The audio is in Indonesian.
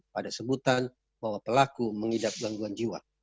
pada sebutan bahwa pelaku mengidap gangguan jiwa